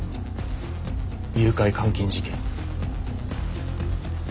誘拐監禁事件。